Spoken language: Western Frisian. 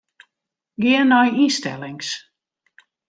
Gean nei ynstellings.